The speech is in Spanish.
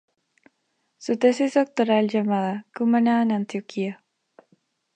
Su tesis doctoral llamada "Cumana and Antioquia.